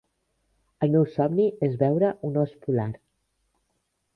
El meu somni és veure un os polar.